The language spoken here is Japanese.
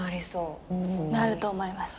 なると思います。